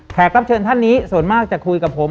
รับเชิญท่านนี้ส่วนมากจะคุยกับผม